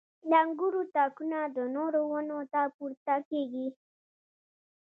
• د انګورو تاکونه د نورو ونو ته پورته کېږي.